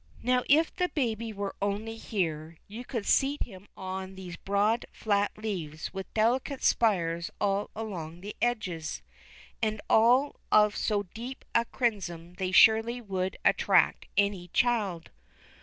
Now if the baby were only here, you could seat him on these broad, flat leaves, with delicate spires all along the edges, and all of so deep a crimson they surely would attract any child.